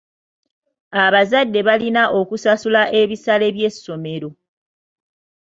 Abazadde balina okusasula ebisale by'essomero.